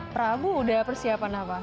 prabu udah persiapan apa